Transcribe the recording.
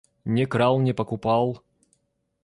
Не крал, не покупал.